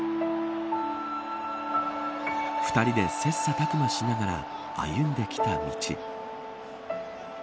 ２人で切磋琢磨しながら歩んできた道。